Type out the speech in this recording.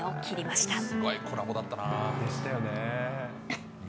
すごいコラボだったな。